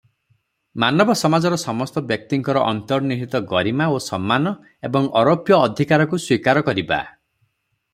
ମାନବ ସମାଜର ସମସ୍ତ ବ୍ୟକ୍ତିଙ୍କର ଅନ୍ତର୍ନିହିତ ଗରିମା ଓ ସମ୍ମାନ ଏବଂ ଅରୋପ୍ୟ ଅଧିକାରକୁ ସ୍ୱୀକାର କରିବା ।